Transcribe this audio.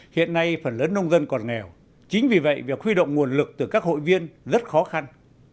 hiện nay phần lớn nông dân còn nghèo chính vì vậy việc khuy động nguồn lực từ các hội viên rất khó khăn